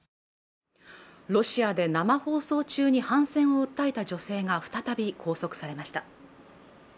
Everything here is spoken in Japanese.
ロシアで生放送中に反戦を訴えた女性が再び拘束されました。